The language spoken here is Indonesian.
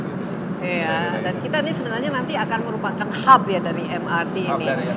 dan kita ini sebenarnya nanti akan merupakan hub ya dari mrt ini